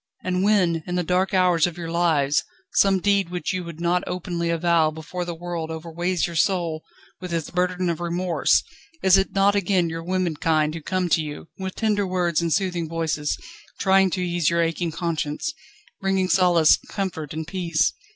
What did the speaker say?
and when, in the dark hours of your lives, some deed which you would not openly avow before the world overweights your soul with its burden of remorse, is it not again your womenkind who come to you, with tender words and soothing voices, trying to ease your aching conscience, bringing solace, comfort, and peace?